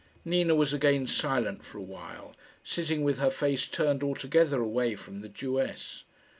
Nina was again silent for a while, sitting with her face turned altogether away from the Jewess.